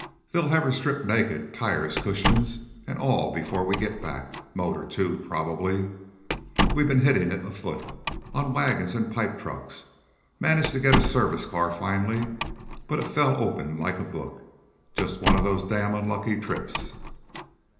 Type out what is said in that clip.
They'll have her stripped naked, tires, cushions, and all, before we get back. Motor, too, probably. We've been hitting it afoot, on wagons and pipe trucks managed to get a service car finally, but it fell open like a book. Just one of those dam' unlucky trips."